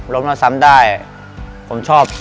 ล้มแล้วซ้ำได้ผมชอบ